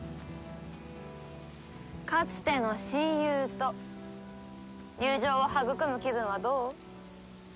かつての親友と友情を育む気分はどう？